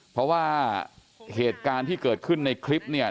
เพราะว่าเหตุการณ์ที่เกิดขึ้นในคลิปเนี่ย